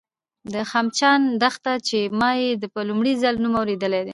د خمچان دښته، چې ما یې په لومړي ځل نوم اورېدی دی